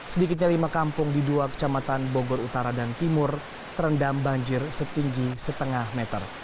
sedikitnya lima kampung di dua kecamatan bogor utara dan timur terendam banjir setinggi setengah meter